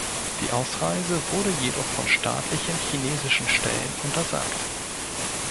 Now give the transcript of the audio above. Die Ausreise wurde jedoch von staatlichen chinesischen Stellen untersagt.